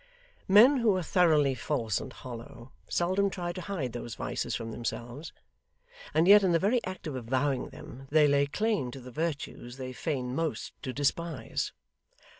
Men who are thoroughly false and hollow, seldom try to hide those vices from themselves; and yet in the very act of avowing them, they lay claim to the virtues they feign most to despise.